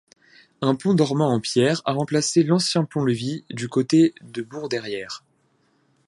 Un pont dormant en pierre a remplacé l'ancien pont-levis du côté de bourg-derrière.